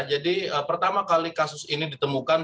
pertama kali kasus ini ditemukan